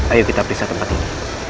ayo kita pulih ke tempat ini